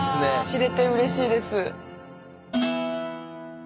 知れてうれしいです。